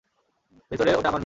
ভেতরে ওটা আমার মেয়ে!